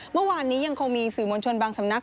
เมื่อวานนี้ยังคงมีสื่อมวลชนบางสำนัก